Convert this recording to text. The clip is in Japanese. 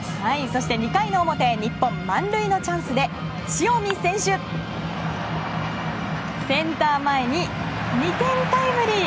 そして、２回の表日本、満塁のチャンスで塩見選手センター前に２点タイムリー。